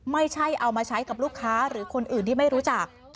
ไม่ใช่เอามาใช้กับลูกค้าหรือคนอื่นที่ไม่รู้จัก